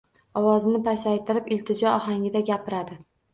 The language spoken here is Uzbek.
Ovozini pasaytirib iltijo ohangida gapiradi